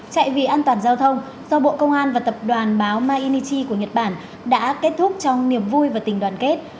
chạy vì an toàn giao thông do bộ công an và tập đoàn báo ma inichi của nhật bản đã kết thúc trong niềm vui và tình đoàn kết